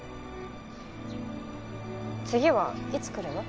次はいつ来るの？